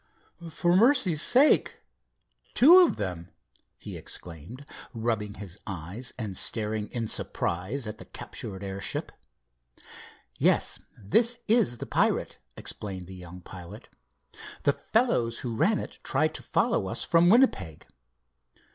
"For mercy's sake, two of them!" he exclaimed, rubbing his eyes and staring in surprise at the captured airship. "Yes, this is the pirate," explained the young pilot. "The fellows who ran it tried to follow us from Winnipeg.